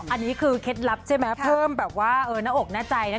อันนี้คือเคล็ดลับใช่ไหมเพิ่มแบบว่าหน้าอกหน้าใจนะคะ